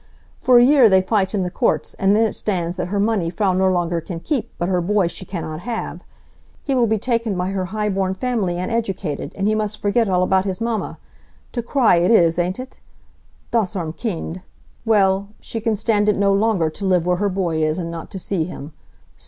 For a year they fight in the courts, and then it stands that her money Frau Nirlanger can keep, but her boy she cannot have. He will be taken by her highborn family and educated, and he must forget all about his mamma. To cry it is, ain't it? Das arme Kind! Well, she can stand it no longer to live where her boy is, and not to see him.